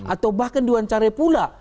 atau bahkan diwawancarai pula